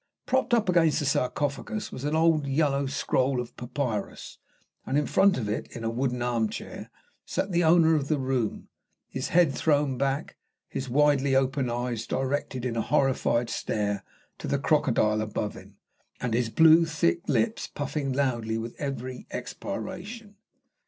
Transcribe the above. Propped up against the sarcophagus was an old yellow scroll of papyrus, and in front of it, in a wooden armchair, sat the owner of the room, his head thrown back, his widely opened eyes directed in a horrified stare to the crocodile above him, and his blue, thick lips puffing loudly with every expiration.